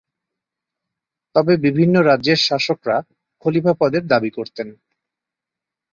তবে বিভিন্ন রাজ্যের শাসকরা খলিফা পদের দাবি করতেন।